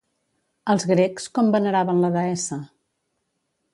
Els grecs, com veneraven la deessa?